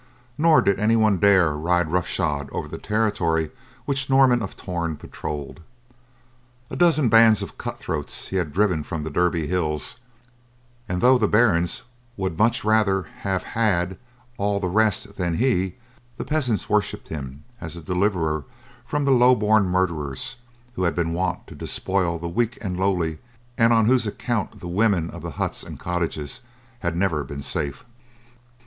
Nor did anyone dare ride rough shod over the territory which Norman of Torn patrolled. A dozen bands of cut throats he had driven from the Derby hills, and though the barons would much rather have had all the rest than he, the peasants worshipped him as a deliverer from the lowborn murderers who had been wont to despoil the weak and lowly and on whose account the women of the huts and cottages had never been safe.